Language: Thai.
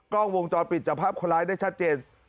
กล้องวงจรปิดจับภาพคนร้ายได้ชัดเจน